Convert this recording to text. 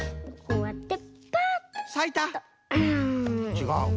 ちがう？